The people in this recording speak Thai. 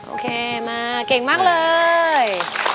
โอเคมาเก่งมากเลย